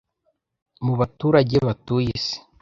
mu baturage batuye isi,